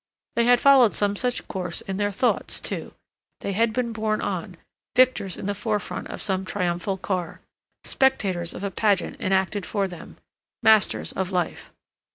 They had followed some such course in their thoughts too; they had been borne on, victors in the forefront of some triumphal car, spectators of a pageant enacted for them, masters of life.